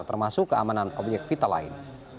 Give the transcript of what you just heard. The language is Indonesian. termasuk keamanan obyek vital lain